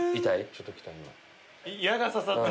ちょっときた今。